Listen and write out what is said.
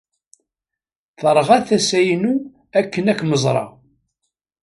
Terɣa tasa-inu akken ad kem-ẓreɣ.